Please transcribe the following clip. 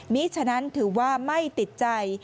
มีฉะนั้นถือว่าไม่ติดใจ